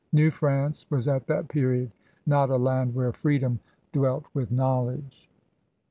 New France was at that period not a land where free dom dwelt with knowledge.